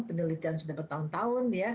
penelitian sudah bertahun tahun